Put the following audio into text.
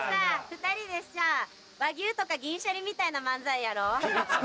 ２人でさ和牛とか銀シャリみたいな漫才やろ